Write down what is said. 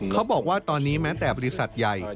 เขาบอกว่าตอนนี้แม้แต่บริษัทใหญ่